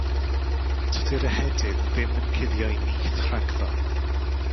Tydi'r ehedydd ddim yn cuddio'u nyth rhagddo.